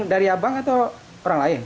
dari abang atau orang lain